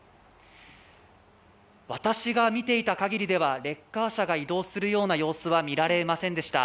私が見ていた限りではレッカー車が移動するような様子は見られませんでした。